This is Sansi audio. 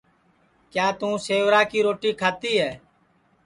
کیا توں سیورا کی روٹی کھاتی ہے